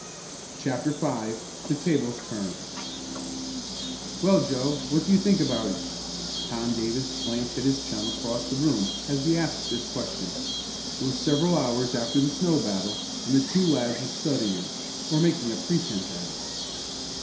CHAPTER V THE TABLES TURNED "Well, Joe, what do you think about it?" Tom Davis glanced at his chum across the room as he asked this question. It was several hours after the snow battle, and the two lads were studying, or making a pretense at it.